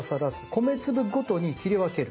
米粒ごとに切り分ける。